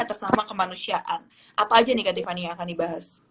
atas nama kemanusiaan apa aja nih kak tiffany yang akan dibahas